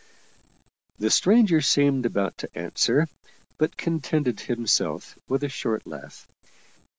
The stranger seemed about to answer, but contented himself with a short laugh.